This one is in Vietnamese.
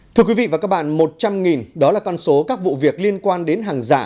thưa quý vị và các bạn một trăm linh đó là con số các vụ việc liên quan đến hàng giả